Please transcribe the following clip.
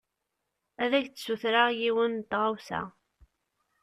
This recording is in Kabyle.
Ad ak-d-sutreɣ yiwen n tɣawsa.